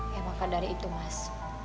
ya maka dari itu mas